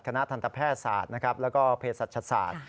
คณะทันตแพทย์ศาสตร์นะครับแล้วก็เพศศาสตร์